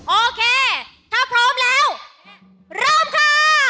โอเคถ้าพร้อมแล้วเริ่มค่ะ